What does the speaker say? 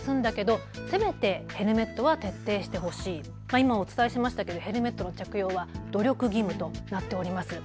今お伝えしましたけどヘルメットの着用は努力義務となっております。